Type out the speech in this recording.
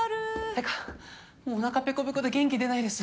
てかもうおなかぺこぺこで元気出ないです。